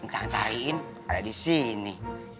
cari cariin ada di sini